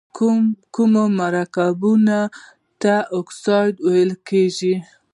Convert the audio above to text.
کومو مرکبونو ته اکساید ویل کیږي؟